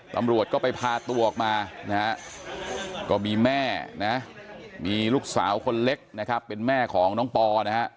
ตำรวจก็ไปพาตัวออกมานะฮะก็มีแม่นะมีลูกสาวคนเล็กนะครับเป็นแม่ของน้องปอนะฮะ